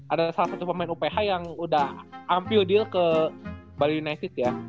ada salah satu pemain uph yang udah ampio deal ke bali united ya